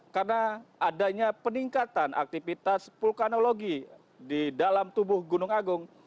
karena adanya peningkatan aktivitas vulkanologi di dalam tubuh gunung agung